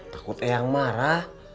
takut eyang marah